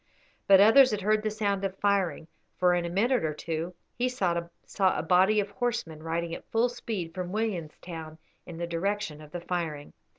But others had heard the sound of firing, for in a minute or two he saw a body of horsemen riding at full speed from Williamstown in the direction of the firing.